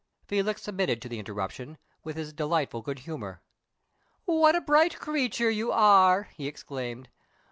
Felix submitted to the interruption with his delightful good humor. "What a bright creature you are!" he exclaimed.